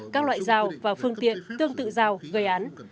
các loại dao và phương tiện tương tự dao gây án